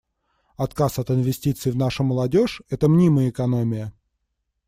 Отказ от инвестиций в нашу молодежь — это мнимая экономия.